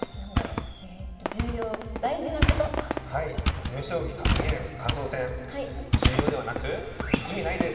詰将棋格言感想戦重要ではなく「意味ないです」。